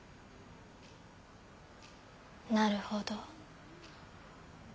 なるほど。